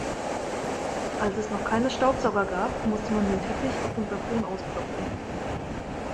Als es noch keine Staubsauger gab, musste man den Teppich auf dem Balkon ausklopfen.